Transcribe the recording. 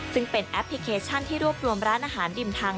ซึ่งเป็นแอปพลิเคชันที่รวบรวมร้านอาหารริมทาง